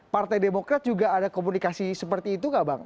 partai demokrat juga ada komunikasi seperti itu nggak bang